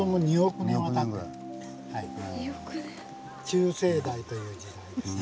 中生代という時代ですね。